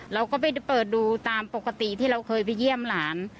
เราก็ไปเปิดดูตามปกติที่เราเคยไปเยี่ยมหลาน